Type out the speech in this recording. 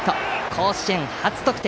甲子園初得点！